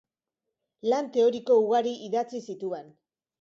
Lan teoriko ugari idatzi zituen.